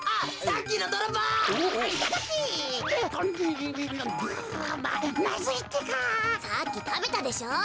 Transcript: さっきたべたでしょう。